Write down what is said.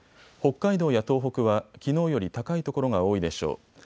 北海道や東北はきのうより高い所が多いでしょう。